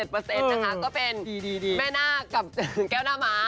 คือ๑๓๓๗ก็เป็นแม่หน้ากับแก้วหน้าม้า